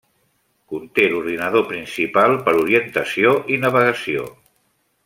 Conté l'ordinador principal per orientació i navegació.